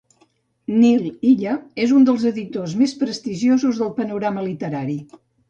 Nil Illa és un dels editors més prestigiosos del panorama literari.